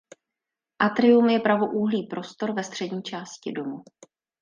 Atrium je pravoúhlý prostor ve střední části domu.